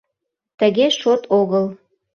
— Тыге шот огыл.